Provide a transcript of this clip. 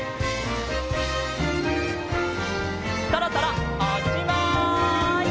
そろそろおっしまい！